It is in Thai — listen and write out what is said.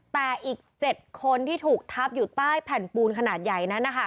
แต่อีก๗คนที่ถูกทับอยู่ใต้แผ่นปูนขนาดใหญ่นั้นนะคะ